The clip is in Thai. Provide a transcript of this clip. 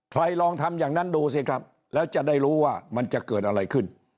ลองทำอย่างนั้นดูสิครับแล้วจะได้รู้ว่ามันจะเกิดอะไรขึ้น